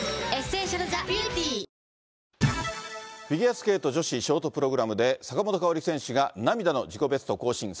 フィギュアスケート女子ショートプログラムで、坂本花織選手が涙の自己ベスト更新。